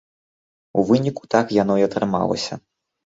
У выніку так яно і атрымалася.